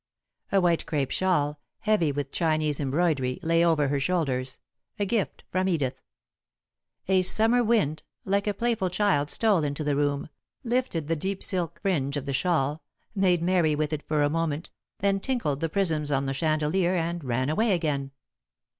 A white crêpe shawl, heavy with Chinese embroidery, lay over her shoulders, a gift from Edith. A Summer wind, like a playful child, stole into the room, lifted the deep silk fringe of the shawl, made merry with it for a moment, then tinkled the prisms on the chandelier and ran away again.